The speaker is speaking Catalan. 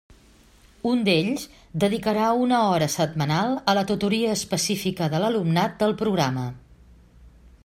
Un d'ells dedicarà una hora setmanal a la tutoria específica de l'alumnat del programa.